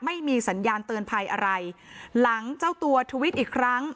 ไม่มีสัญญาณเตือนภัยอะไรหลังเจ้าตัวทวิตอีกครั้ง